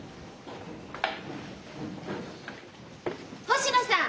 星野さん！